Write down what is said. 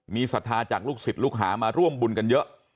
มีศรัทธาจากลูกศิษย์ลูกหามาร่วมบุญกันเยอะ